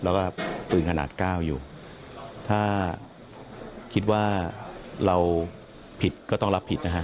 แล้วก็ปืนขนาดเก้าอยู่ถ้าคิดว่าเราผิดก็ต้องรับผิดนะฮะ